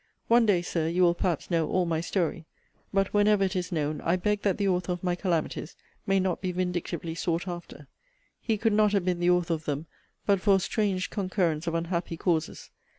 One day, Sir, you will perhaps know all my story. But, whenever it is known, I beg that the author of my calamities may not be vindictively sought after. He could not have been the author of them, but for a strange concurrence of unhappy causes.